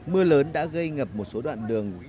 mưa lớn đã gây ngập một số đoạn đường